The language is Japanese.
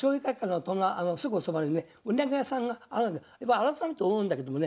改めて思うんだけどもね